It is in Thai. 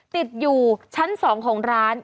ติดอยู่ชั้น๒ของร้าน